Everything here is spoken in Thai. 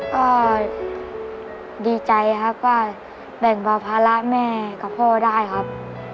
ก็ดีใจครับว่าแบ่งเบาภาระแม่กับพ่อได้ครับ